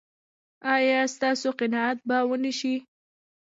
ایا ستاسو قناعت به و نه شي؟